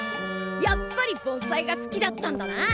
やっぱり盆栽が好きだったんだな！